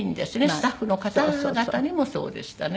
スタッフの方々にもそうでしたね。